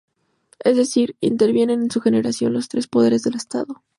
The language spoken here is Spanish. Es decir, intervienen en su generación los tres poderes del Estado.